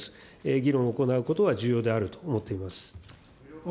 議論を行うことは重要であるというふうに思っております。